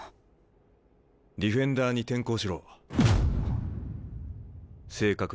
ディフェンダーに転向？